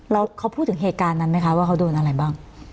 แล้วเขาพูดถึงเหตุการณ์นั้นไหมคะว่าเขาโดนอะไรบ้าง